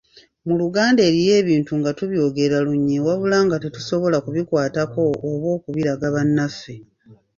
Mu Luganda eriyo ebintu nga tubyogera lunye wabula nga tetusobola kubikwatako oba okubiraga bannaffe